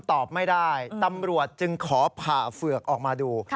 ตอบไม่ได้ตำรวจจึงขอผ่าเฝือกออกมาดู